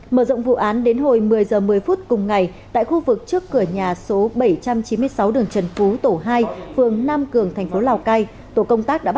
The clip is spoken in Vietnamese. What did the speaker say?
mở rộng vụ án đến hồi một mươi h một mươi phút cùng ngày tại khu vực trước cửa nhà số bảy trăm chín mươi sáu đường trần phú tổ hai phường nam cường thành phố lào cai